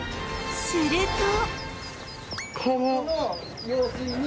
すると